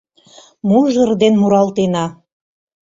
Мужыр ден муралтена.